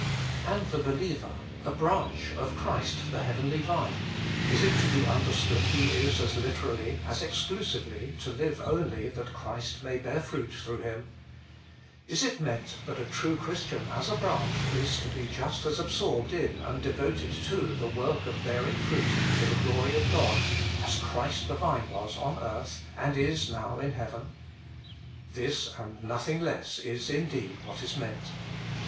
And the believer, the branch of Christ the Heavenly Vine, is it to be understood that he is as literally, as exclusively, to live only that Christ may bear fruit through him ? Is it meant that 58 THE MINISTRY OF INTERCESSION a true Christian as a branch is to be just as absorbed in and devoted to the work of bearing fruit to the glory of God as Christ the Vine was on earth, and is now in heaven? This, and nothing less, is indeed what is meant.